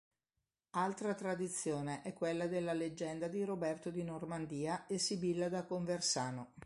Altra tradizione è quella della "Leggenda di Roberto di Normandia e Sibilla da Conversano".